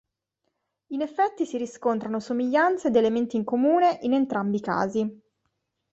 In effetti si riscontrano somiglianze ed elementi in comune in entrambi i casi.